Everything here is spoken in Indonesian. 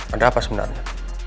ada apa sebenarnya